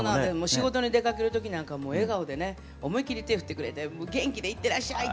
仕事に出かける時なんかも笑顔でね思いっきり手振ってくれて元気で行ってらっしゃい！